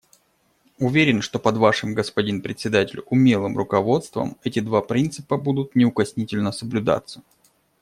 Уверен, что под Вашим, господин Председатель, умелым руководством эти два принципа будут неукоснительно соблюдаться.